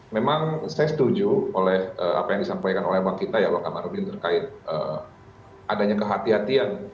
memang saya setuju oleh apa yang disampaikan oleh bang kita ya bang kamarudin terkait adanya kehatian